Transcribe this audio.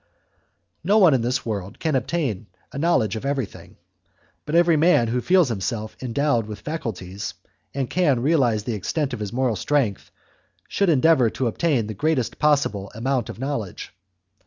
No one in this world can obtain a knowledge of everything, but every man who feels himself endowed with faculties, and can realize the extent of his moral strength, should endeavour to obtain the greatest possible amount of knowledge.